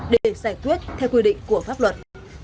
để giải quyết theo quy định của pháp luật